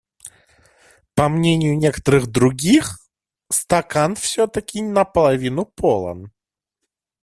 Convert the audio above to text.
По мнению некоторых других, стакан все-таки на половину полон.